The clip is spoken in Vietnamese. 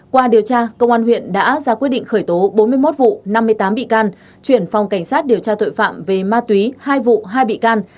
qua điều tra công an huyện đã ra quyết định khởi tố bốn mươi một vụ năm mươi tám bị can chuyển phòng cảnh sát điều tra tội phạm về ma túy hai vụ hai bị can